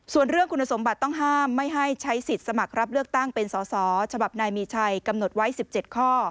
ส่วนเรื่องคุณสมบัติต้องห้ามไม่ให้ใช้สิทธิ์สมัครรับเลือกตั้งเป็นสอสอฉบับนายมีชัยกำหนดไว้๑๗ข้อ